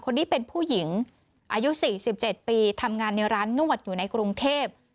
คนนี้เป็นผู้หญิงอายุ๔๗ปีทำงานในร้านนวดอยู่ในกรุงเทพ